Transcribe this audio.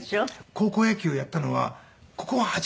高校野球をやったのはここが初めてだそうで。